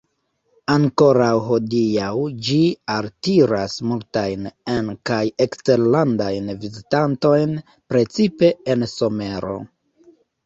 Ankoraŭ hodiaŭ ĝi altiras multajn en- kaj eksterlandajn vizitantojn, precipe en somero.